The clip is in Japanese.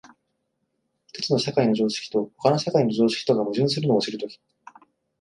一つの社会の常識と他の社会の常識とが矛盾するのを知るとき、